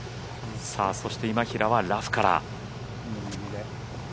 そして今平はラフから。